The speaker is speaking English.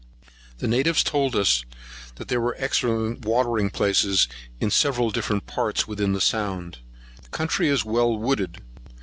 The natives told us there were excellent watering places in several different parts within the sound. The country is well wooded.